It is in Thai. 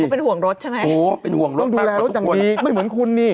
เป็นห่วงรถใช่ไหมต้องดูแลรถอย่างดีไม่เหมือนคุณนี่ต้องดูแลรถอย่างดีไม่เหมือนคุณนี่